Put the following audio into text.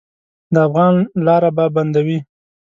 د افغان لاره به بندوي.